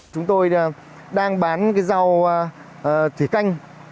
chúng tôi đang bán cái rau thủy canh